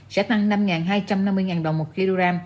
sẽ tăng năm hai trăm năm mươi đồng một kg